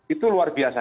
itu luar biasa